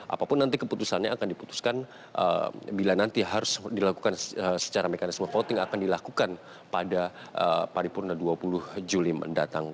apapun nanti keputusannya akan diputuskan bila nanti harus dilakukan secara mekanisme voting akan dilakukan pada paripurna dua puluh juli mendatang